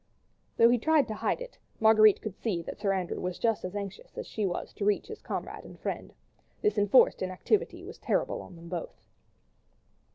Though he tried to disguise it, Marguerite could see that Sir Andrew was just as anxious as she was to reach his comrade and friend. This enforced inactivity was terrible to them both.